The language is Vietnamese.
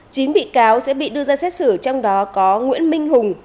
chín bị cáo sẽ bị đưa ra xét xử trong đó có nguyễn minh hùng